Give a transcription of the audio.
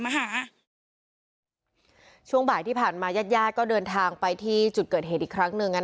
ช่วงบ่ายที่ผ่านมาญาติญาติก็เดินทางไปที่จุดเกิดเหตุอีกครั้งหนึ่ง